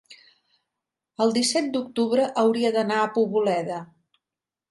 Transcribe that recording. el disset d'octubre hauria d'anar a Poboleda.